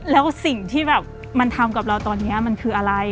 แล้วสิ่งที่แบบมันทำกับเราตอนนี้มันคืออะไร